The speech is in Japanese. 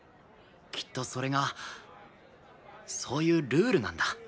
きっとそれがそういうルールなんだ。